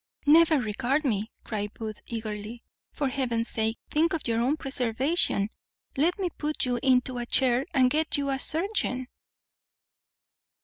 "Never regard me," cried Booth eagerly; "for Heaven's sake, think of your own preservation. Let me put you into a chair, and get you a surgeon."